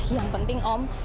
yang penting om